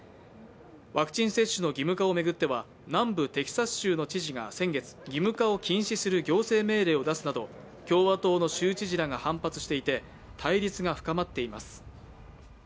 ワクチン接種の義務化を巡っては南部テキサス州の知事が先月、義務化を中止する行政命令を出すなど共和党の州知事らが反発していて対立が深まっています。